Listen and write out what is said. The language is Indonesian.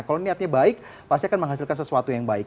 kalau niatnya baik pasti akan menghasilkan sesuatu yang baik